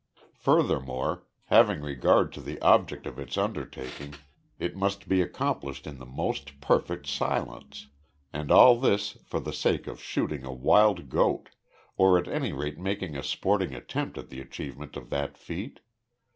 Furthermore, having regard to the object of its undertaking, it must be accomplished in the most perfect silence. And all this for the sake of shooting a wild goat or at any rate making a sporting attempt at the achievement of that feat!